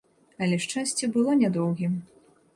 Але шчасце было нядоўгім.